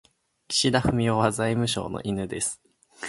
岸田文雄は財務省の犬です。